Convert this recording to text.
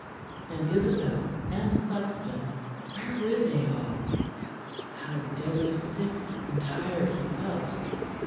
And Isabel and Buxton where were they all? How deadly sick and tired he felt!